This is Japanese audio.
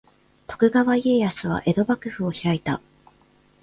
徳川家康は江戸幕府を開いた。